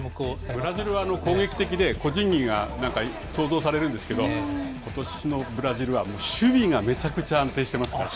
ブラジルは攻撃的で、個人技が想像されるんですけど、ことしのブラジルはもう守備がめちゃくちゃ安定してますから。